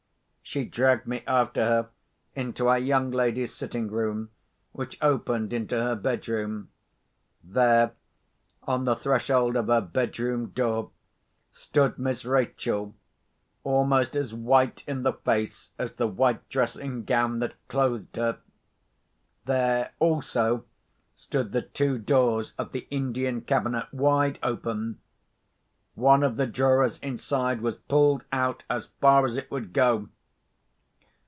She dragged me after her into our young lady's sitting room, which opened into her bedroom. There, on the threshold of her bedroom door, stood Miss Rachel, almost as white in the face as the white dressing gown that clothed her. There also stood the two doors of the Indian cabinet, wide open. One, of the drawers inside was pulled out as far as it would go.